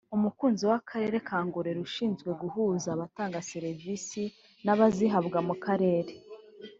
umukozi w’akarere ka Ngororero ushinzwe guhuza abatanga serivisi n’abazihabwa mu karere